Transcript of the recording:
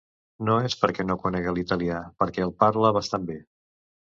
No és per què no conega l’italià, perquè el parla bastant bé...